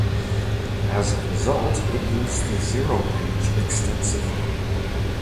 As a result, it used the zero page extensively.